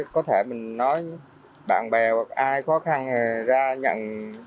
có thể mình nói bạn bè hoặc ai khó khăn ra nhận